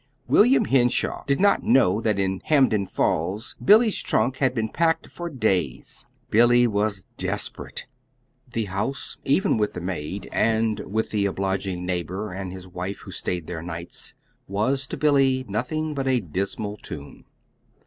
William Henshaw did not know that in Hampden Falls Billy's trunk had been packed for days. Billy was desperate. The house, even with the maid, and with the obliging neighbor and his wife who stayed there nights, was to Billy nothing but a dismal tomb.